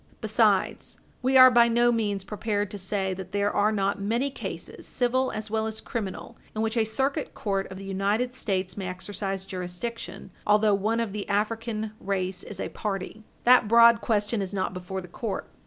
Besides, we are by no means prepared to say that there are not many cases, civil as well as criminal, in which a Circuit Court of the United States may exercise jurisdiction although one of the African race is a party; that broad question is not before the court.